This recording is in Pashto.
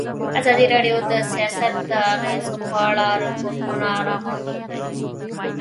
ازادي راډیو د سیاست د اغېزو په اړه ریپوټونه راغونډ کړي.